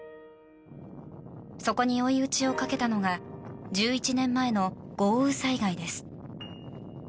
そこに追い打ちをかけたのが１１年前の豪雨災害です。